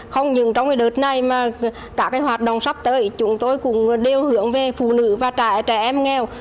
không những trong đợt này mà các hoạt động sắp tới chúng tôi cũng đều hướng về phụ nữ và trẻ em nghèo